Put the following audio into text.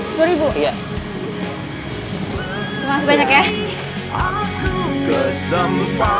aku bisa berdoa sama dia